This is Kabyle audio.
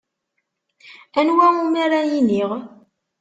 Anwa umi ara iniɣ?